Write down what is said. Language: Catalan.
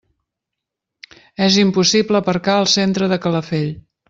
És impossible aparcar al centre de Calafell.